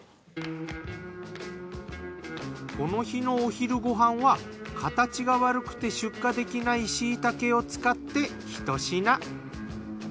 この日のお昼ご飯は形が悪くて出荷できない椎茸を使ってひと品。